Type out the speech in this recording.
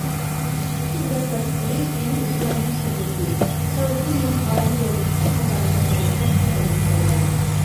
ئىككى دۆلەت باشلىقلىرى يەنە ئۇكرائىنا كىرىزىسى، چاۋشيەن يېرىم ئارىلى ۋەزىيىتى قاتارلىقلار توغرىسىدا پىكىر ئالماشتۇردى.